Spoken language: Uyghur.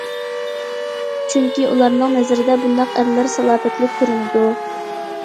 چۈنكى ئۇلارنىڭ نەزىرىدە بۇنداق ئەرلەر سالاپەتلىك كۆرۈنىدۇ.